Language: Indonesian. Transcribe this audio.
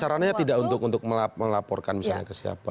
sarananya tidak untuk melaporkan misalnya ke siapa